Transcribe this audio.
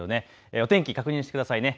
お天気確認してくださいね。